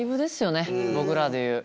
僕らで言う。